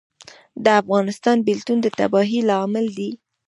د افغانستان بیلتون د تباهۍ لامل دی